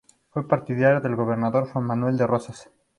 Fue partidario del gobernador Juan Manuel de Rosas.